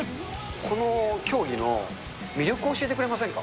この競技の魅力を教えてくれませんか？